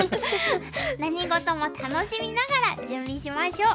何事も楽しみながら準備しましょう。